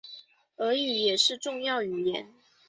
俄语也是重要语言。